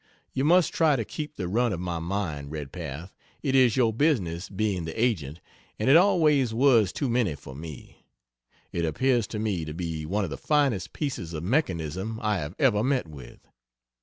You must try to keep the run of my mind, Redpath, it is your business being the agent, and it always was too many for me. It appears to me to be one of the finest pieces of mechanism I have ever met with.